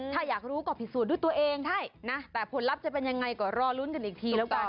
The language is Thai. ถ้าอยากรู้ก็พิสูจน์ด้วยตัวเองใช่นะแต่ผลลัพธ์จะเป็นยังไงก็รอลุ้นกันอีกทีแล้วกัน